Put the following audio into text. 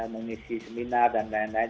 mengisi seminar dan lain lain